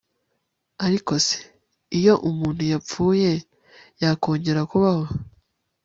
ariko se, iyo umuntu yapfuye, yakongera kubaho?